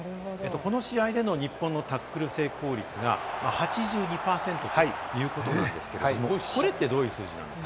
この試合での日本のタックル成功率が８２％ということなんですけれども、これってどういう数字なんですか？